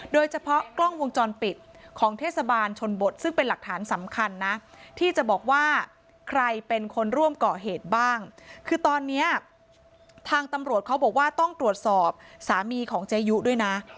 โดยเฉพาะกล้องวงจรปิดของเทศบาลชนบทซึ่งเป็นหลักฐานสำคัญนะที่จะบอกว่าใครเป็นคนร่วมก่อเหตุบ้างคือตอนนี้ทางตำรวจเขาบอกว่าต้องตรวจสอบสามีของเจยุด้วยนะ